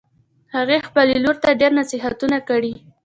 هغې خپلې لور ته ډېر نصیحتونه کړي